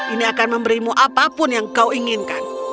ini akan memberimu apapun yang kau inginkan